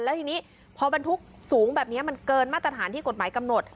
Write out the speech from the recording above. แล้วทีนี้พอบรรทุกสูงแบบนี้มันเกินมาตรฐานที่กฎหมายกำหนด